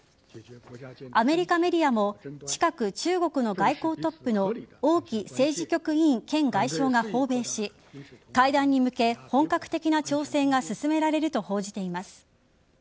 アメリカメディアも近く、中国の外交トップの王毅政治局委員兼外相が訪米し会談に向け本格的な調整が進められると報じています。